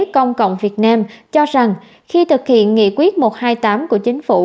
công cộng việt nam cho rằng khi thực hiện nghị quyết một trăm hai mươi tám của chính phủ